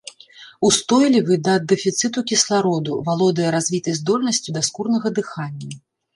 Устойлівы да дэфіцыту кіслароду, валодае развітай здольнасцю да скурнага дыхання.